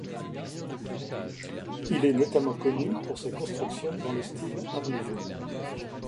Il est notamment connu pour ses constructions dans le style Art nouveau.